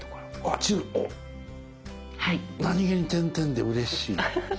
あ何気に点々でうれしい。